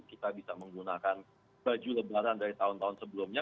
kita bisa menggunakan baju lebaran dari tahun tahun sebelumnya